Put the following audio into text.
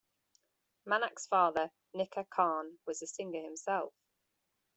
Manak's father, Nikka Khan, was a singer himself.